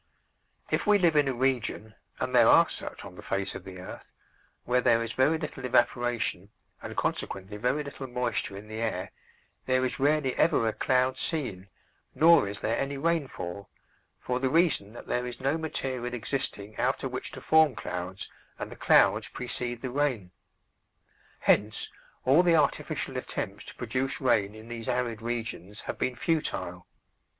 If we live in a region and there are such on the face of the earth where there is very little evaporation and consequently very little moisture in the air, there is rarely ever a cloud seen nor is there any rainfall, for the reason that there is no material existing out of which to form clouds, and the clouds precede the rain. Hence, all the artificial attempts to produce rain in these arid regions have been futile.